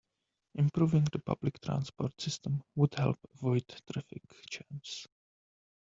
Improving the public transport system would help avoid traffic jams.